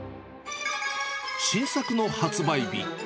新作の発売日。